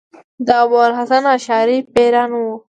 د ابو الحسن اشعري پیروان وو.